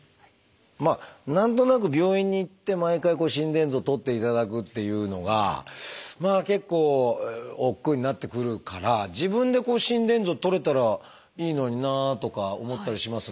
まあ何となく病院に行って毎回心電図をとっていただくっていうのが結構億劫になってくるから自分で心電図をとれたらいいのになあとか思ったりしますが。